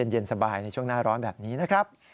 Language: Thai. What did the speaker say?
เย็นสบายในช่วงหน้าร้อนแบบนี้นะครับ